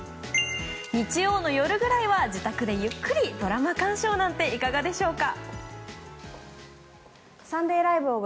日曜の夜くらいは自宅でゆっくりドラマ鑑賞なんていかがでしょうか？